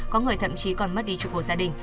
có người thậm chí còn mất đi trụ hồ gia đình